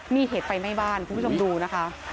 มีเหตุไฟไหม้บ้านพิธีค่ะพี่มีชมดูนะคะ